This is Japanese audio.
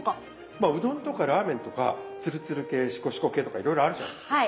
まあうどんとかラーメンとかつるつる系しこしこ系とかいろいろあるじゃないですか。